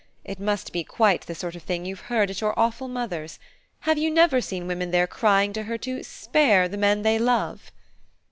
It must be quite the sort of thing you've heard at your awful mother's. Have you never seen women there crying to her to 'spare' the men they love?"